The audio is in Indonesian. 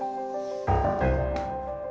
mungkin gue bisa dapat petunjuk lagi disini